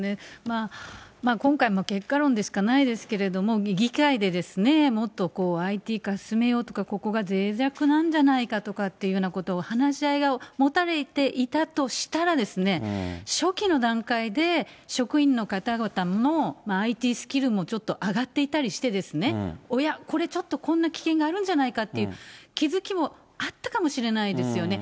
今回、結果論でしかないですけれども、議会でもっとＩＴ化進めようとか、ここがぜい弱なんじゃないかとかっていうようなことを、話し合いが持たれていたとしたら、初期の段階で職員の方々もＩＴスキルもちょっと上がっていたりして、おや、これちょっとこんな危険があるんじゃないかっていう、気付きもあったかもしれないですよね。